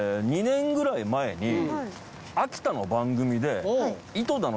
２年ぐらい前に秋田の番組で。